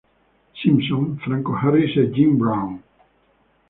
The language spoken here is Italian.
Simpson, Franco Harris e Jim Brown.